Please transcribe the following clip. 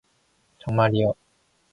정말이요.